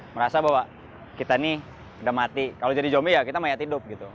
merasa bahwa kita nih udah mati kalau jadi jomb ya kita mayat hidup gitu